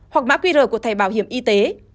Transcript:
hoặc mã qr của thầy bảo hiểm it